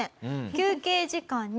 休憩時間に。